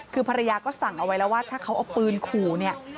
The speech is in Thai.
คือภรรยาก็สั่งเอาไว้แล้วว่าถ้าเขาเอาปืนขู่เนี่ย